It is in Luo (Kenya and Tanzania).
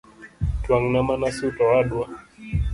Twang’na mana sut owadwa